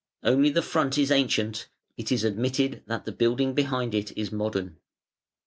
Only the front is ancient it is admitted that the building behind it is modern.